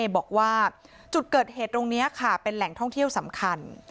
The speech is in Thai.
บอกว่าจุดเกิดเหตุตรงนี้ค่ะเป็นแหล่งท่องเที่ยวสำคัญ